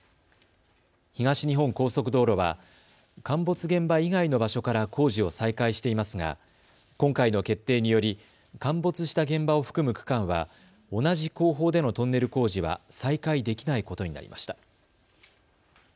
東日本高速道路は陥没現場以外の場所から工事を再開していますが今回の決定により陥没した現場を含む区間は同じ工法でのトンネル工事は再開できないことになりました。